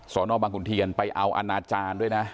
นบังขุนเทียนไปเอาอนาจารย์ด้วยนะ